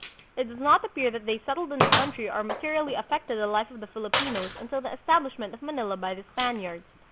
It does not appear that they settled in the country or materially affected the life of the Fili pinos until the establishment of Manila by the Spaniards.